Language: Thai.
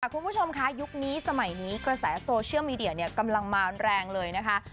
คุณผู้ชมค่ะยุคนี้สมัยนี้กระแสโซเชียลมีเดียกำลังมาแรงเลยนะคะ